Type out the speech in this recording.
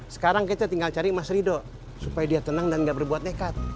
sekarang kita tinggal cari mas ridho supaya dia tenang dan gak berbuat nekat